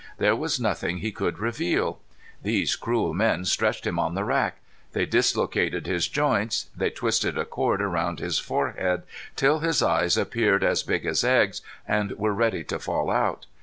There was nothing he could reveal. These cruel men stretched him on the rack. They dislocated his joints. They twisted a cord around his forehead, "till his eyes appeared as big as eggs, and were ready to fall out."